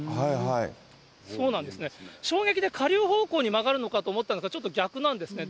そうなんですね、衝撃で下流方向に曲がるのかと思ったんですが、ちょっと逆なんですね。